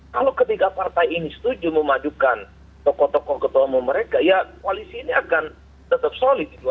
kalau ketiga partai ini setuju memajukan tokoh tokoh ketua umum mereka ya koalisi ini akan tetap solid di dua ribu dua puluh empat